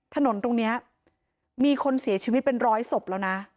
ถนนตรงนี้มีคนเสียชีวิตเป็นร้อยศพแล้วนะ